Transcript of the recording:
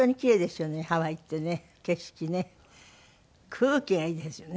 空気がいいですよね。